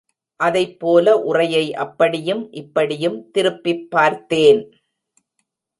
அதைப்போல உறையை அப்படியும் இப்படியும் திருப்பிப் பார்த்தேன்.